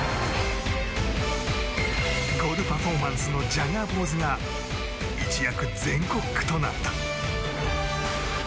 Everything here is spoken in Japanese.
ゴールパフォーマンスのジャガーポーズが一躍、全国区となった。